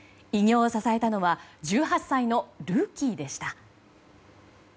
偉業を支えたのは１８歳のルーキーでした。